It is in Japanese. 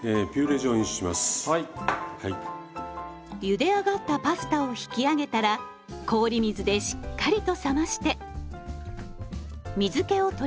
ゆで上がったパスタを引き上げたら氷水でしっかりと冷まして水けを取ります。